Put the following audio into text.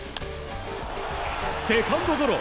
セカンドゴロ。